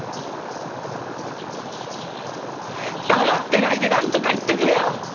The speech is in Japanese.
黙ってないでなんとか言ってくれよ！